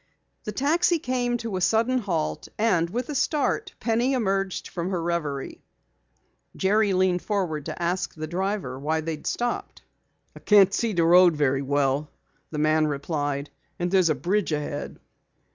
The taxi came to a sudden halt and with a start Penny emerged from her reverie. Jerry leaned forward to ask the driver why they had stopped. "I can't see the road very well," the man replied. "And there's a bridge ahead."